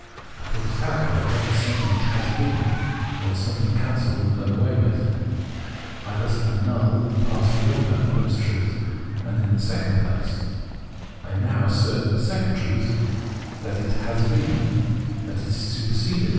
I point it out, however, as something that has been, or as some thing cancelled and done away with. I thus annul Sense certainty 99 and pass beyond that first truth and in the second place I now assert as the second truth that it has been, that it is superseded.